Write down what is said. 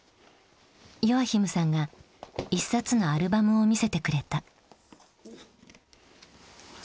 ヨアヒムさんが一冊のアルバムを見せてくれた。